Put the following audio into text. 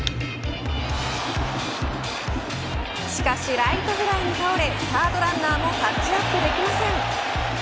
しかしライトフライに倒れサードランナーもタッチアップできません。